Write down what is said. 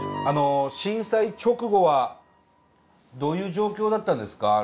震災直後はどういう状況だったんですか